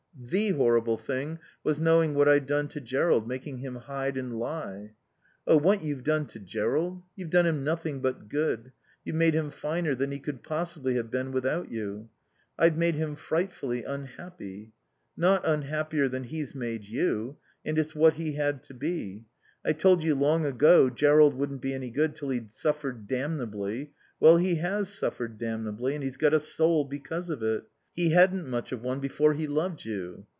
"The horrible thing was knowing what I'd done to Jerrold, making him hide and lie." "Oh, what you've done to Jerrold You've done him nothing but good. You've made him finer than he could possibly have been without you." "I've made him frightfully unhappy." "Not unhappier than he's made you. And it's what he had to be. I told you long ago Jerrold wouldn't be any good till he'd suffered damnably. Well he has suffered damnably. And he's got a soul because of it. He hadn't much of one before he loved you."